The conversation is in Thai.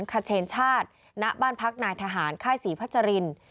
คเชนชาติณบ้านพักนายทหารค่ายศรีพัชริน